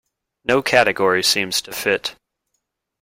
No category seems to fit.